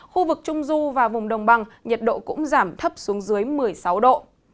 khu vực trung du và vùng đồng bằng nhiệt độ cũng giảm thấp xuống dưới một mươi sáu độ